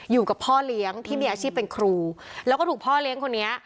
อยู่กับพ่อเลี้ยงที่มีอาชีพเป็นครูแล้วก็ถูกพ่อเลี้ยงคนนี้